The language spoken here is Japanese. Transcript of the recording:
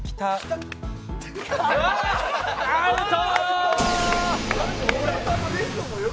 アウト！